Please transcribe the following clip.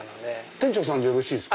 店長さんでよろしいですか？